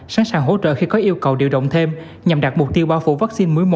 sẵn sàng hỗ trợ khi có yêu cầu điều động thêm nhằm đạt mục tiêu bao phủ vaccine mới một